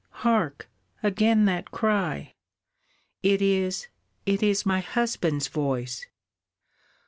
Hark, again that cry! It is, it is my husband's voice!